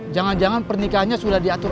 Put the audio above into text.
jangan jangan pernikahannya sudah diatur